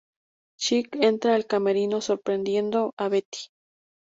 Chic entra al camerino, sorprendiendo a Betty.